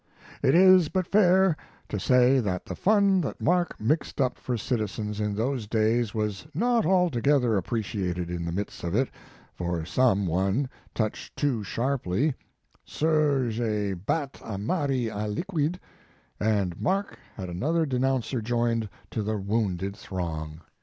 It is but fair to say that the fun that Mark mixed up for citizens in those days was not altogether appreciated in the midst of it, for some one, touched too sharply, surge bat amarialiquid, and Mark had another denouncer joined to the wounded throng."